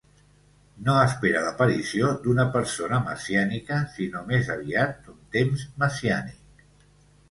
No espera l'aparició d'una persona messiànica sinó més aviat, d'un temps messiànic.